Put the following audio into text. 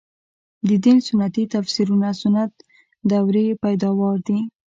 د دین سنتي تفسیرونه سنت دورې پیداوار دي.